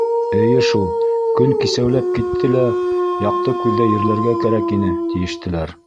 — Эйе шул, көн кисәүләп китте лә, яҡты күҙҙә ерләргә кәрәк ине, — тиештеләр.